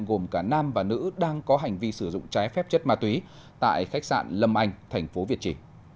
gồm cả nam và nữ đang có hành vi sử dụng trái phép chất ma túy tại khách sạn lâm anh thành phố việt trì